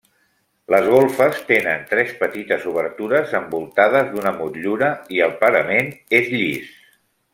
Les golfes tenen tres petites obertures envoltades d'una motllura i el parament és llis.